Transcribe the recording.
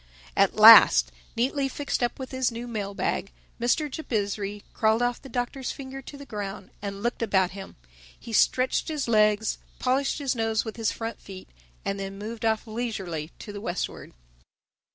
At last, neatly fixed up with his new mail bag, Mr. Jabizri crawled off the Doctor's finger to the ground and looked about him. He stretched his legs, polished his nose with his front feet and then moved off leisurely to the westward.